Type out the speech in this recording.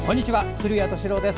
古谷敏郎です。